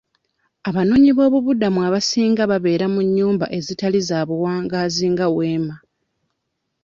Abanoonyi b'obubuddamu abasinga babera mu nnyumba ezitali za buwangaazi nga weema.